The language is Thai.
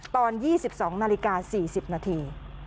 ตอน๒๒นาฬิกา๔๐นาที